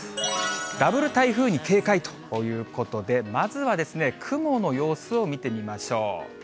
ダブル台風に警戒ということで、まずは雲の様子を見てみましょう。